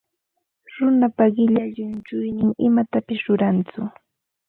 Runapa qilla llunchuynin imatapis rurantsu.